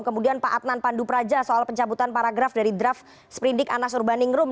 kemudian pak adnan pandu praja soal pencabutan paragraf dari draft sprindik anas urbaningrum